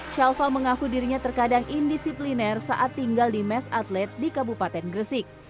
shalfa mengaku dirinya terkadang indisipliner saat tinggal di mes atlet di kabupaten gresik